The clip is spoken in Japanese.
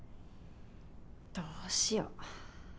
どうしよう。